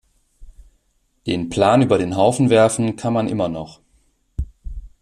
Den Plan über den Haufen werfen kann man immer noch.